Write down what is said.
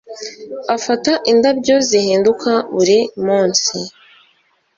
afata indabyo zihinduka buri munsi